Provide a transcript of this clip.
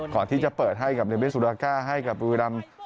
ก่อนที่จะเปิดให้กับเดวิสุราก้าให้กับบุรีรำ